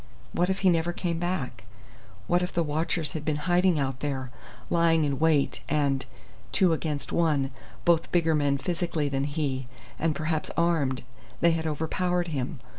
What if he never came back? What if the watchers had been hiding out there, lying in wait and, two against one both bigger men physically than he, and perhaps armed they had overpowered him?